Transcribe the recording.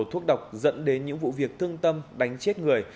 thuốc độc dẫn đến những vụ việc thương tâm đánh chết người